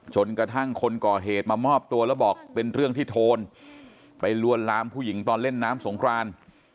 จนกระทั่งคนก่อเหตุมามอบตัวแล้วบอกเป็นเรื่องที่โทนไปลวนลามผู้หญิงตอนเล่นน้ำสงคราน